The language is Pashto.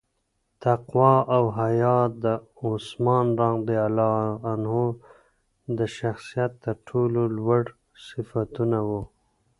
تقوا او حیا د عثمان رض د شخصیت تر ټولو لوړ صفتونه وو.